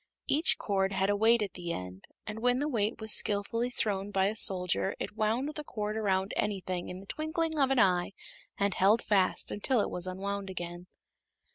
Each cord had a weight at the end, and when the weight was skillfully thrown by a soldier it wound the cord around anything in the twinkling of an eye and held fast until it was unwound again.